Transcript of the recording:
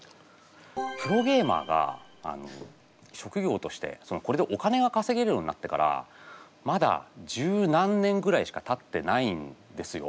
プロゲーマーが職業としてこれでお金が稼げるようになってからまだ十何年ぐらいしかたってないんですよ。